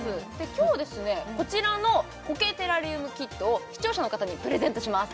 今日はですねこちらの苔テラリウムキットを視聴者の方にプレゼントします